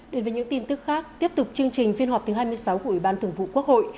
đến với những tin tức khác tiếp tục chương trình phiên họp thứ hai mươi sáu của ủy ban thường vụ quốc hội